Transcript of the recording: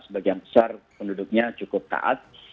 sebagian besar penduduknya cukup taat